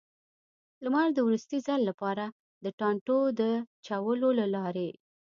لمر د وروستي ځل لپاره، د ټانټو د چولو له لارې.